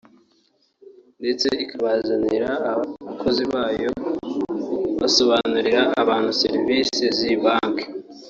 ndetse ikanabazanira abakozi bayo basobanurira abantu Serivisi z’iyi Banki